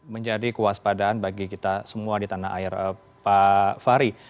menjadi kewaspadaan bagi kita semua di tanah air pak fahri